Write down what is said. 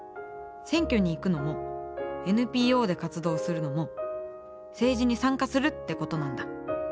選挙に行くのもＮＰＯで活動するのも政治に参加するってことなんだ。